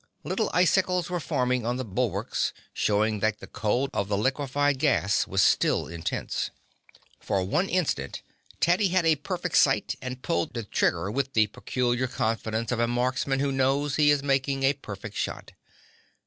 Little icicles were forming on the bulwarks, showing that the cold of the liquified gas was still intense. For one instant Teddy had a perfect sight, and pulled the trigger with the peculiar confidence of a marksman who knows he is making a perfect shot.